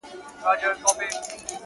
زما دسترګو نه يې سترګو څم ګوټونه وکړل